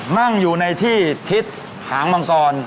นั่งอยู่ในที่ทิศหางมังกร